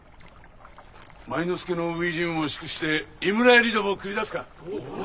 前之助の初陣を祝して井村屋にでも繰り出すか。